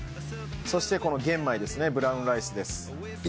そしてこの玄米ですねブラウンライスです。